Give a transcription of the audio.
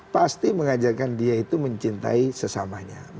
pasti mengajarkan dia itu mencintai sesamanya